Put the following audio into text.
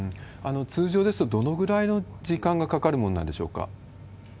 通常ですと、どのぐらいの時間がかかるものなんでしょうか？